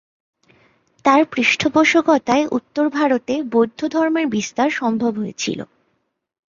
তার পৃষ্ঠপোষকতায় উত্তর ভারতে বৌদ্ধ ধর্মের বিস্তার সম্ভব হয়েছিল।